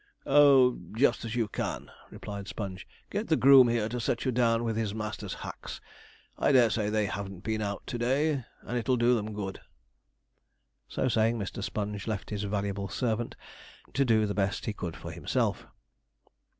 'Oh, just as you can,' replied Sponge; 'get the groom here to set you down with his master's hacks. I dare say they haven't been out to day, and it'll do them good.' So saying, Mr. Sponge left his valuable servant to do the best he could for himself.